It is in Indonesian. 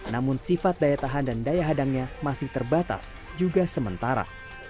namun sifat daya tahan dan daya hadangnya masih terbatas juga sementara